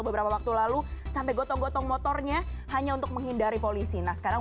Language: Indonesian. beberapa waktu lalu sampai gotong gotong motornya hanya untuk menghindari polisi nah sekarang